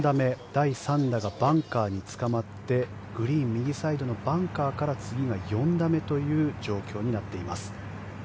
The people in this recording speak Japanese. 第３打がバンカーにつかまってグリーン右サイドのバンカーから次が４打目という状況になっています。